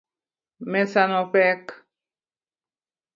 Mesa no pek